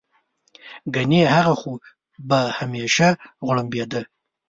ګنې هغه خو به همېشه غړمبېده.